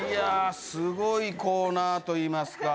すごいコーナーといいますか。